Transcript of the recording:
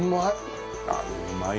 うまい！